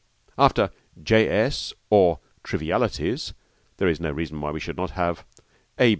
After J. S.; or, Trivialities there is no reason why we should not have A.